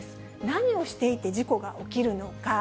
何をしていて事故が起きるのか。